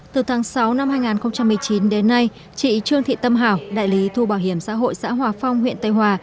từ tháng sáu năm hai nghìn một mươi chín đến nay chị trương thị tâm hảo đại lý thu bảo hiểm xã hội xã hòa phong huyện tây hòa